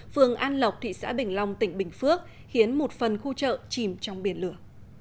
phường an lộc thị xã bình long tỉnh bình phước khiến một phần khu chợ chìm trong biển lửa